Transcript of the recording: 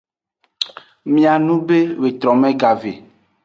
Mianube wetrome gave.